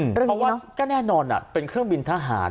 เพราะว่าก็แน่นอนเป็นเครื่องบินทหาร